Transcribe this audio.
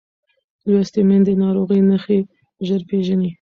لوستې میندې د ناروغۍ نښې ژر پېژني.